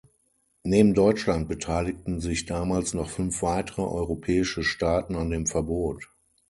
Neben Deutschland beteiligten sich damals noch fünf weitere europäische Staaten an dem Verbot.